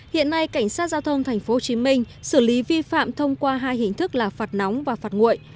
hiện nay cảnh sát giao thông tp hcm xử lý vi phạm thông qua hai hình thức là phạt nóng và phạt nguội